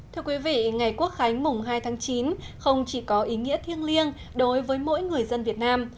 thưa quý vị ngày quốc khánh mùng hai tháng chín không chỉ có ý nghĩa thiêng liêng đối với mỗi người dân việt nam